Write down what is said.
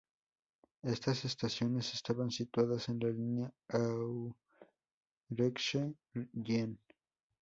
Estas estaciones estaban situadas en la línea Auxerre-Gien.